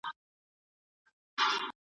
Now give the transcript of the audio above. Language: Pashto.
در واري سم ګل اناره چي رانه سې ,